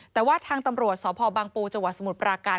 แต่ว่าทางตำรวจศพบางปูจสมุทรปราการ